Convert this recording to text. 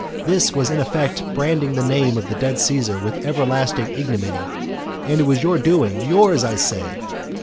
This was in effect branding the name of the dead Caesar with everlasting ignominy, and it was your doing, yours, I say.